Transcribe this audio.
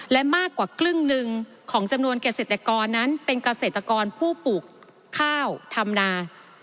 และมากกว่าครึ่งหนึ่งของจำนวนเกษตรกรนั้นเป็นเกษตรกรผู้ปลูกข้าวทำนา